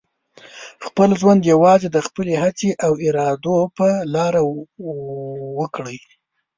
خپل ژوند یوازې د خپلې هڅې او ارادو په لاره وکړئ.